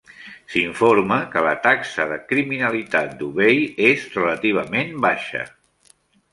S'informa que la taxa de criminalitat d'Ubay és relativament baixa.